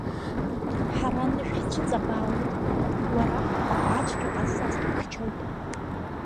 Ҳара анышә ҳцәыҵабаауеит, уара ацәгьа ҟазҵаз духьчоит…